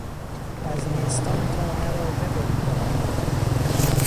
از نیستان تا مرا ببریدهاند...